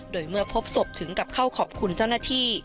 โดยเมื่อพบศพถึงกับเข้าขอบคุณเจ้าหน้าที่